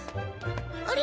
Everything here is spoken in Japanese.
あれ？